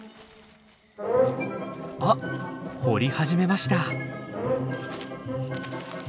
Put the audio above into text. あっ掘り始めました。